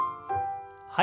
はい。